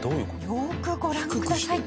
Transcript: よーくご覧ください。